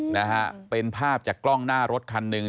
นะฮะเป็นภาพจากกล้องหน้ารถคันหนึ่ง